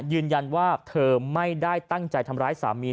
ยืนยันว่าเธอไม่ได้ตั้งใจทำร้ายสามี